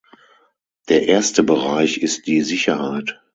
Der erste Bereich ist die Sicherheit.